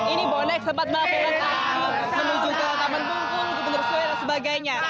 ini bonek sempat melakukan aksi menuju ke taman bungkung ke bender suir dan sebagainya